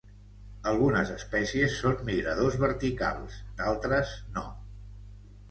Algunes espècies són migradores verticals, d'altres no.